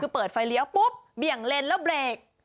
คือเปิดไฟเลี้ยวปุ๊บเบี่ยงเลนแล้วเบรก